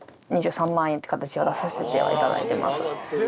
２３万円っていう形を出させては頂いてます。